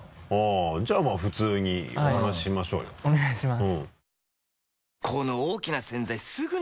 じゃあ普通にお話ししましょうよお願いします。